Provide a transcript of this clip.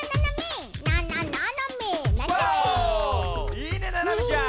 いいねななみちゃん。